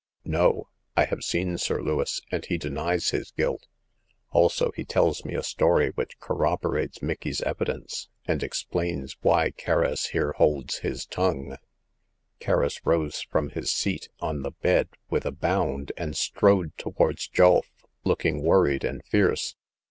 " No ! I have seen Sir Lewis, and he denies his guilt ; also, he tells me a story which corro The Eighth Customer. 225 borates Micky's evidence, and explains why Kerris here holds his tongue." Kerris rose from his seat on the bed with a bound, and strode towards Julf, looking worried and fierce.